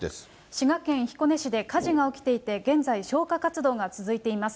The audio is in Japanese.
滋賀県彦根市で火事が起きていて、現在、消火活動が続いています。